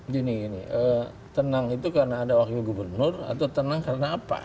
gini gini tenang itu karena ada wakil gubernur atau tenang karena apa